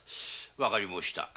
わかりました。